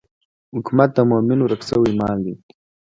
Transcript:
حکمت د مومن ورک شوی مال دی.